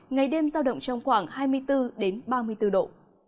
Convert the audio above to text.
ngày đêm giao động trong khoảng hai mươi bốn ba mươi bốn độ